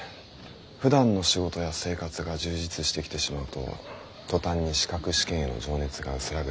ふだんの仕事や生活が充実してきてしまうと途端に資格試験への情熱が薄らぐ。